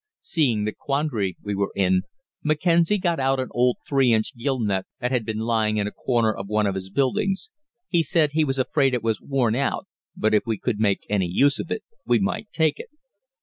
Seeing the quandary we were in, Mackenzie got out an old three inch gill net that had been lying in a corner of one of his buildings. He said he was afraid it was worn out, but if we could make any use of it, we might take it.